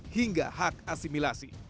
hingga hak asimilasi